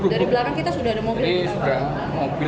dari belakang kita sudah ada mobil kita